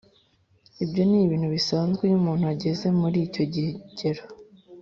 Ibyo ni ibintu bisanzwe iyo umuntu ageze muri icyo kigero